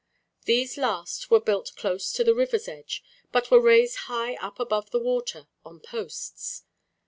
These last were built close to the river's edge, but were raised high up above the water, on posts.